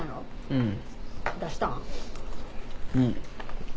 うん。